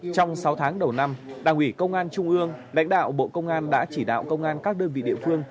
trong sáu tháng đầu năm đảng ủy công an trung ương lãnh đạo bộ công an đã chỉ đạo công an các đơn vị địa phương